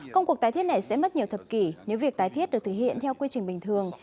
công cuộc tái thiết này sẽ mất nhiều thập kỷ nếu việc tái thiết được thực hiện theo quy trình bình thường